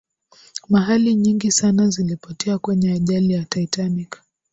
mahali nyingi sana zilipotea kwenye ajali ya titanic